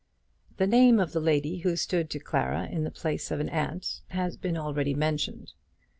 The name of the lady who stood to Clara in the place of an aunt has been already mentioned.